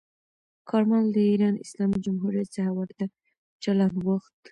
کارمل د ایران اسلامي جمهوریت څخه ورته چلند غوښت.